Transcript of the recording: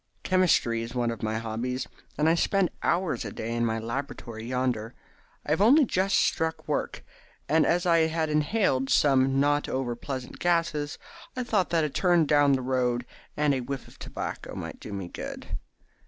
Chemistry is one of my hobbies, and I spend hours a day in my laboratory yonder. I have only just struck work, and as I had inhaled some not over pleasant gases, I thought that a turn down the road and a whiff of tobacco might do me good.